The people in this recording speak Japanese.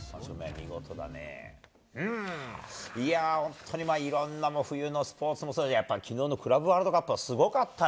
いや、本当にいろんな冬のスポーツもそうだし、やっぱりきのうのクラブワールドカップはすごかったね。